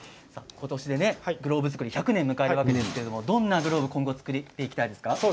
ことしでグローブ作り１００年を迎えるわけですがどんなグローブを今後作っていきたいですか？